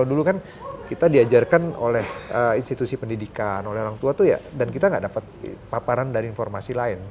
dulu kan kita diajarkan oleh institusi pendidikan oleh orang tua tuh ya dan kita nggak dapat paparan dari informasi lain